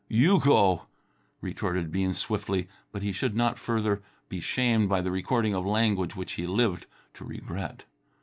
"You go " retorted Bean swiftly; but he should not further be shamed by the recording of language which he lived to regret.